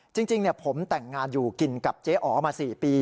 จริงผมแต่งงานอยู่กินกับเจ๊อ๋อมา๔ปี